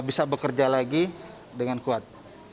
bisa bekerja lagi dengan kuat